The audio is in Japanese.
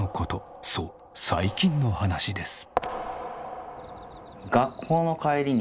そう最近の話です。